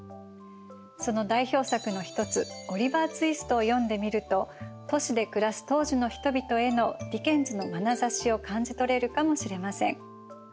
その代表作の一つ「ＯｌｉｖｅｒＴｗｉｓｔ」を読んでみると都市で暮らす当時の人々へのディケンズのまなざしを感じ取れるかもしれません。